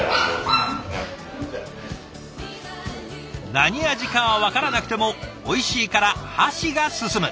何味かは分からなくてもおいしいから箸が進む。